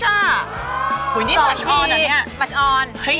หัวห่อนเตียนมาร์ชออนและเนี่ย